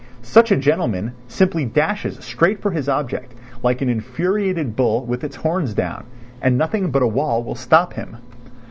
Such a gentleman simply dashes straight for his object like an infuriated bull with its horns down, and nothing but a wall will stop him.